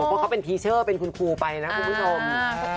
เพราะเขาเป็นพีเชอร์เป็นคุณครูไปนะคุณผู้ชม